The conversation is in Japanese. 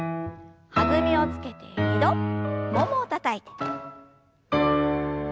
弾みをつけて２度ももをたたいて。